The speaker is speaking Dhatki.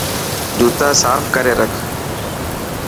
جوتا صاف ڪري رک.